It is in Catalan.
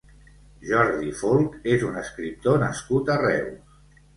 Jordi Folck és un escriptor nascut a Reus.